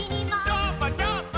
どーもどーも。